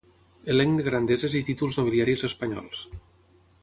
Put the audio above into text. Elenc de Grandeses i Títols Nobiliaris Espanyols.